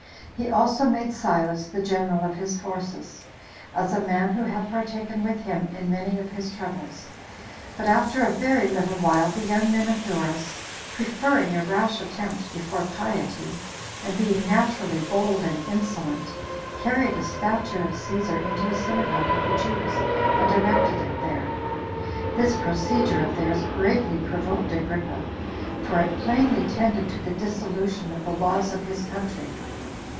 He also made Silas the general of his forces, as a man who had partaken with him in many of his troubles. But after a very little while the young men of Doris, preferring a rash attempt before piety, and being naturally bold and insolent, carried a statue of Cæsar into a synagogue of the Jews, and erected it there. This procedure of theirs greatly provoked Agrippa; for it plainly tended to the dissolution of the laws of his country.